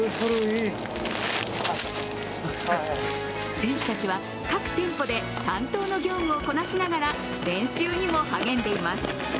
選手たちは各店舗で担当の業務をこなしながら練習にも励んでいます。